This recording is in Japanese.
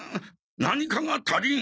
何かが足りん！